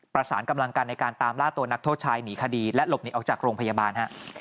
ประสานกำลังกันในการตามล่าตัวนักโทษชายหนีคดีและหลบหนีออกจากโรงพยาบาลฮะ